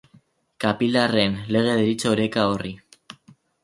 Kapilarren lege deritzo oreka horri.